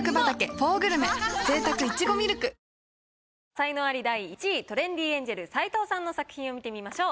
才能アリ第１位トレンディエンジェル斎藤さんの作品を見てみましょう。